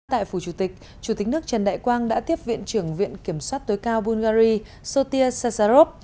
tại phủ chủ tịch chủ tịch nước trần đại quang đã tiếp viện trưởng viện kiểm soát tối cao bungary sotia sazarov